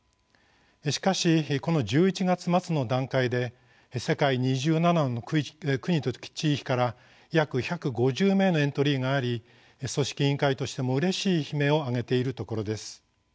しかしこの１１月末の段階で世界２７の国と地域から約１５０名のエントリーがあり組織委員会としてもうれしい悲鳴を上げているところです。